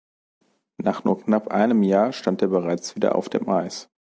Nach nur knapp einem Jahr stand er bereits wieder auf dem Eis.